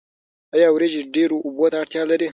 آیا وریجې ډیرو اوبو ته اړتیا لري؟